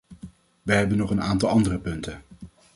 Wij hebben nog een aantal andere punten.